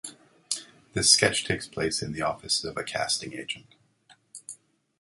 The sketch takes place in the office of a casting agent.